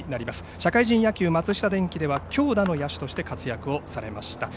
社会人野球、松下電器では強打の野手として活躍されました。